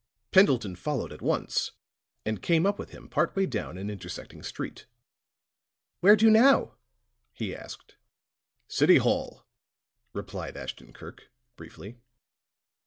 Pendleton followed at once, and came up with him part way down an intersecting street. "Where to now?" he asked. "City Hall," replied Ashton Kirk, briefly.